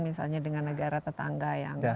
misalnya dengan negara tetangga